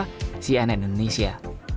muhammad pramudita cnn indonesia